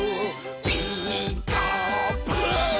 「ピーカーブ！」